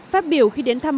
phát biểu khi đến thăm